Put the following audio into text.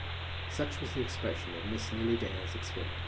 Such was the expression of Miss Lily Dale's experience.